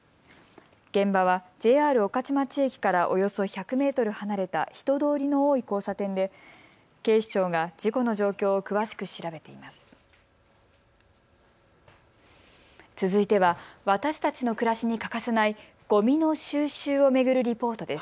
現場はＪＲ御徒町駅からおよそ１００メートル離れた人通りの多い交差点で警視庁が事故の状況を詳しく調べています。